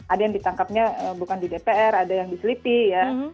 ada yang ditangkapnya bukan di dpr ada yang di selipi ya